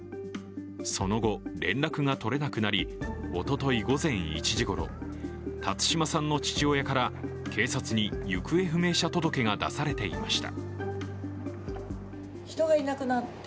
その後、連絡がとれなくなり、おととい午前１時ごろ、辰島さんの父親から警察に行方不明者届が出されていました。